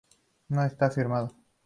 No está firmado.